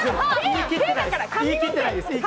言い切ってないです。